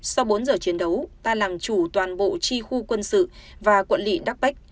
sau bốn giờ chiến đấu ta làm chủ toàn bộ chi khu quân sự và quận lị đắc p